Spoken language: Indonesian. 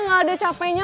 gak ada capeknya